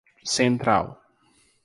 Central